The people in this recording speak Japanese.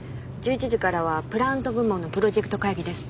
１１時からはプラント部門のプロジェクト会議です。